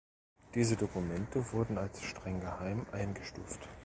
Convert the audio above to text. Diese Dokumente wurden als "streng geheim" eingestuft.